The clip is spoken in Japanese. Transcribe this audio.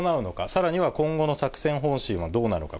さらには今後の作戦方針はどうなのか。